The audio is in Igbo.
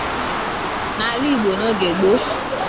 N'ala Igbo n'oge gboo